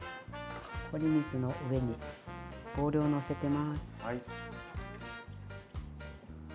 氷水の上にボウルをのせてます。